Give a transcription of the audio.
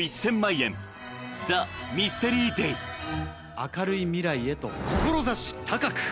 明るい未来へと志高く！